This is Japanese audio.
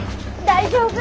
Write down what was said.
大丈夫。